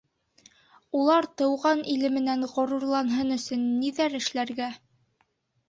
Улар Тыуған иле менән ғорурланһын өсөн ниҙәр эшләргә?